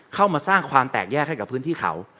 เข้ามาสร้างความแตกแยกให้กับพื้นที่เขา